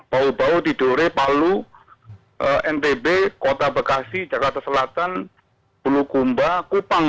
bau bau di dore palu ntb kota bekasi jakarta selatan bulukumba kupang